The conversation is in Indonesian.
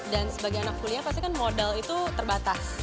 dan sebagai anak kuliah pasti kan modal itu terbatas